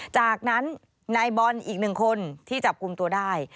จากนั้นนายบอลอีกหนึ่งคนที่จับกลุ่มตัวได้